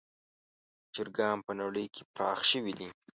چرګان په نړۍ کې پراخ شوي دي.